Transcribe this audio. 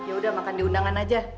yaudah makan di undangan aja